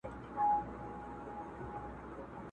هسي رنګه چي له ژونده یې بېزار کړم؛